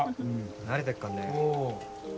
慣れてっかんね。